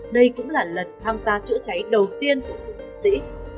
đây cũng là lần tham gia chữa cháy đầu tiên của chiến sĩ